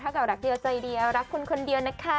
ถ้าเก่ารักเดียวจ่อยหรับคุณคนเดียวนะคะ